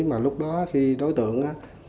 mà lúc đó khi đối tượng